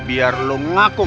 biar lu ngaku